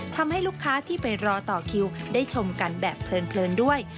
ทำให้ลูกค้าที่ไปรอต่อคิวได้ชมกันแบบเพลินด้วย